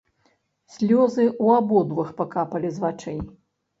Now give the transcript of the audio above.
Слёзы ў абодвух пакапалі з вачэй.